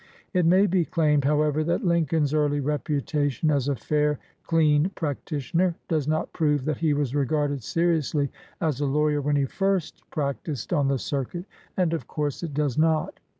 It may be claimed, however, that Lincoln's early reputation as a fair, clean practitioner does 110 EARLY SUCCESS IN THE COURTS not prove that he was regarded seriously as a lawyer when he first practised on the circuit, and of course it does not.